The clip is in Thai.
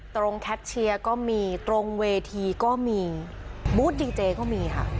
แคทเชียร์ก็มีตรงเวทีก็มีบูธดีเจก็มีค่ะ